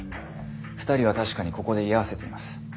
２人は確かにここで居合わせています。